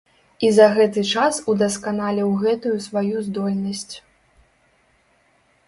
І за гэты час удасканаліў гэтую сваю здольнасць.